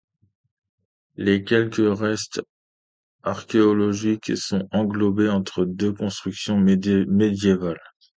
Les quelques restes archéologiques sont englobées entre deux constructions médiévales.